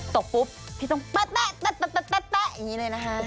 ตกปุ๊บพี่ต้องแป๊ะอย่างนี้เลยนะคะ